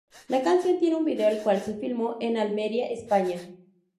La canción tiene un video, el cual se filmó en Almería, España.